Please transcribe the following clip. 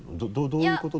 どういうこと？